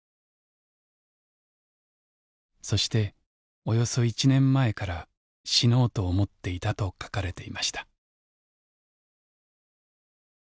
そして「およそ１年前から死のうと思っていた」と書かれていました。